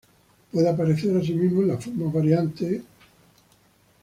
Puede aparecer, asimismo, en las formas variantes 甲, 申, 由, 甴, y 电.